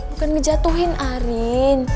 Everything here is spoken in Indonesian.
bukan ngejatuhin arin